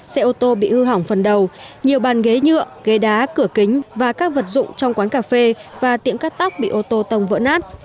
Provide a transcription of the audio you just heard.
xe ô tô bị hư hỏng phần đầu nhiều bàn ghế nhựa ghế đá cửa kính và các vật dụng trong quán cà phê và tiệm cắt tóc bị ô tô tông vỡ nát